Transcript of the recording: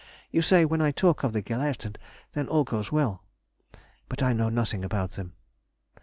You say when I talk of the Gelehrten then all goes well, but I know nothing about them....